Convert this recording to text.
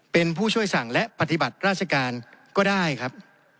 เป็นผู้ช่วยสั่งและปฏิบัติราชการก็ได้ครับ